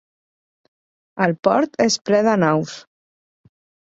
El port és ple de naus.